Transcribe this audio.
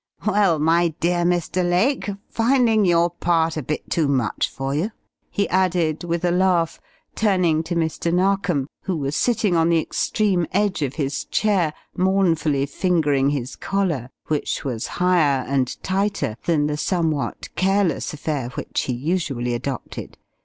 Well, my dear Mr. Lake, finding your part a bit too much for you?" he added, with a laugh, turning to Mr. Narkom, who was sitting on the extreme edge of his chair, mournfully fingering his collar, which was higher and tighter than the somewhat careless affair which he usually adopted.